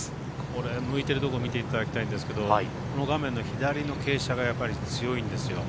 これ、向いてるとこ見ていただきたいんですけどこの画面の左の傾斜が強いんですよ。